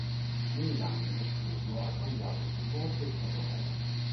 Negli anni lo studio ha cambiato più volte il proprio nome.